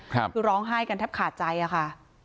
คือร้องไห้กันแทบขาดใจอะค่ะ